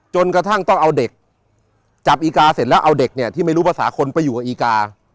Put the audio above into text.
จนกระทั่งต้องเอาเด็กจับอีกาเสร็จแล้วเอาเด็กเนี่ยที่ไม่รู้ภาษาคนไปอยู่กับอีกา